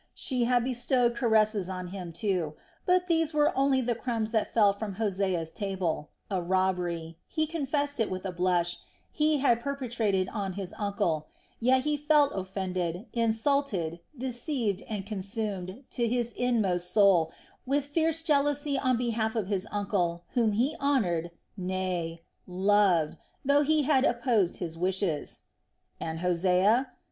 She had bestowed caresses on him, too, but these were only the crumbs that fell from Hosea's table, a robbery he confessed it with a blush he had perpetrated on his uncle, yet he felt offended, insulted, deceived, and consumed to his inmost soul with fierce jealousy on behalf of his uncle, whom he honored, nay, loved, though he had opposed his wishes. And Hosea?